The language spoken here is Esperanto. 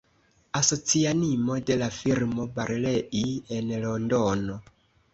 Asocianino de la firmo Barlei, en Londono.